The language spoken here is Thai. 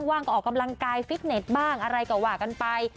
ว่างก็ออกกำลังกายฟิตเน็ตบ้างอะไรก็ว่ากันไป